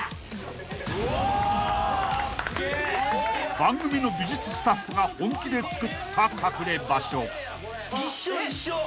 ［番組の美術スタッフが本気でつくった隠れ場所］一緒一緒。